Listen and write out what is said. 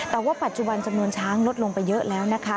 แต่ว่าปัจจุบันจำนวนช้างลดลงไปเยอะแล้วนะคะ